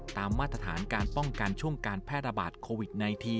มาตรฐานการป้องกันช่วงการแพร่ระบาดโควิด๑๙